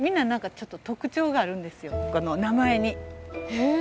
へえ。